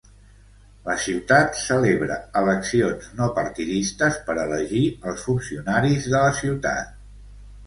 La ciutat celebra eleccions no partidistes per elegir als funcionaris de la ciutat.